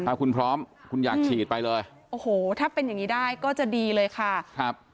ถ้าคุณพร้อมคุณอยากฉีดไปเลยโอ้โหถ้าเป็นอย่างงี้ได้ก็จะดีเลยค่ะครับ